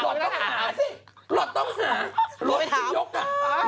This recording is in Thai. หลอกต้องหาซิหลอกต้องหา